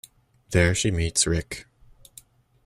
There she meets Rick.